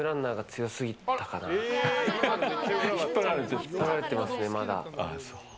引っ張られてますね、まだ。